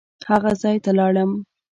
هغه ځای ته لاړم.